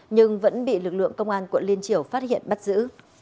nhưng vẫn bị lực lượng công an quận liên triều phát hiện bắt giữ